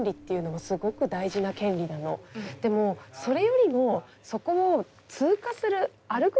でもそれよりもそこを通過する歩く